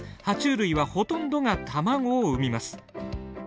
爬虫類はほとんどが卵を産みます。